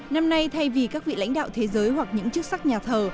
năm nay thay vì các vị lãnh đạo thế giới hoặc những chức sắc nhà thờ